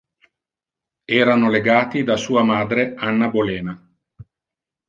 Erano legati da sua madre Anna Bolena.